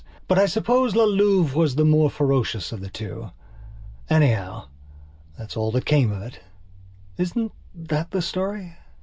But I suppose La Louve was the more ferocious of the two. Anyhow, that is all that came of it. Isn't that a story?